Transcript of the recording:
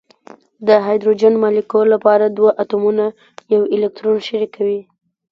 د هایدروجن مالیکول لپاره دوه اتومونه یو الکترون شریکوي.